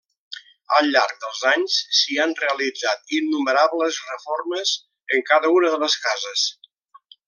Al llarg dels anys s'hi han realitzat innumerables reformes en cada una de les cases.